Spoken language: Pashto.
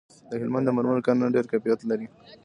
د هلمند د مرمرو کانونه ډیر کیفیت لري